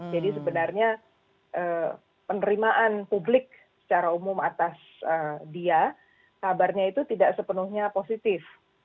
jadi sebenarnya penerimaan publik secara umum atas dia kabarnya itu tidak sepenuhnya positif